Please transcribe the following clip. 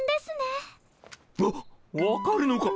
わ分かるのか。